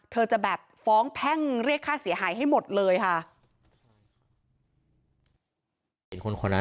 จะแบบฟ้องแพ่งเรียกค่าเสียหายให้หมดเลยค่ะ